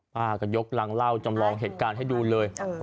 ป้าก็ยกรังเล่าจำลองเหตุการณ์ให้ดูเลย